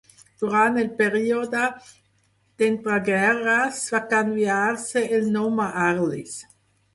Durant el període d'entreguerres, va canviar-se el nom a "Arlis".